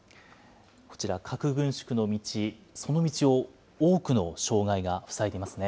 こちら、核軍縮の道、その道を多くの障害が塞いでいますね。